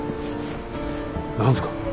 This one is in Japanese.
何すか？